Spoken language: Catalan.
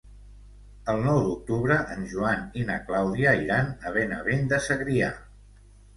El nou d'octubre en Joan i na Clàudia iran a Benavent de Segrià.